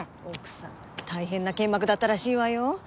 奥さん大変な剣幕だったらしいわよ。